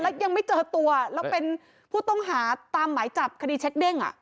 แล้วยังไม่เจอตัวแล้วเป็นผู้ต้องหาตามหมายจับคดีเช็คเด้ง